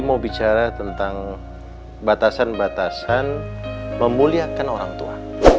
mau bicara tentang batasan batasan memuliakan orang tua